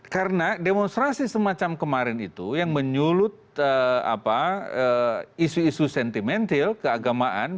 karena demonstrasi semacam kemarin itu yang menyulut isu isu sentimental keagamaan